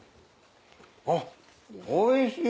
あっおいしい！